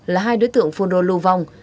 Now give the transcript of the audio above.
là hai đối tượng phu đô lu vong